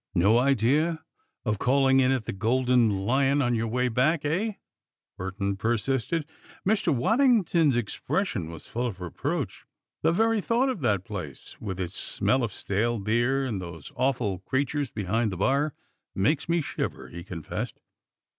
"No idea of calling in at the Golden Lion on your way back, eh?" Burton persisted. Mr. Waddington's expression was full of reproach. "The very thought of that place, with its smell of stale beer and those awful creatures behind the bar, makes me shiver," he confessed.